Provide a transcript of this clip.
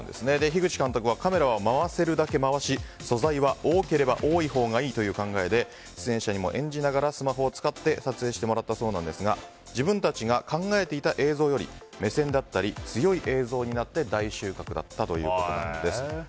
樋口監督はカメラは回せるだけ回し素材は多ければ多いほうがいいという考えで出演者にも演じながらスマホを使って撮影してもらったそうですが自分たちが考えていた映像より目線だったり強い映像になって大収穫だったということなんです。